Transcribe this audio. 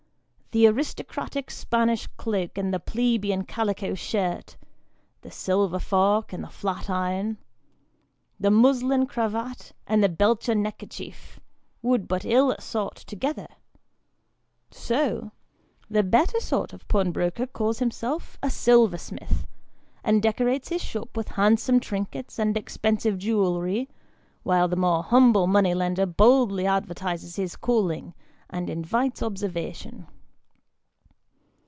The aristocratic Spanish cloak and the plebeian calico shirt, the silver fork and the flat iron, the From Without. 1 39 muslin cravat and the Belcher neckerchief, would but ill assort together ; so, the better sort of pawnbroker calls himself a silver smith, and decorates his shop with handsome trinkets and expensive jewellery, while the more humble money lender boldly advertises his calling, and invites observation.